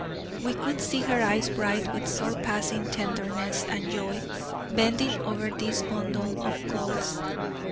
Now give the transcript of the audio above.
We could see her eyes bright with surpassing tenderness and joy, bending over this bundle of clothes.